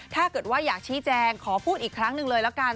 ถ้าเกิดว่าอยากชี้แจงขอพูดอีกครั้งหนึ่งเลยละกัน